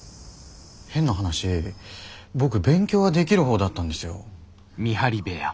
変な話僕勉強はできるほうだったんですよ。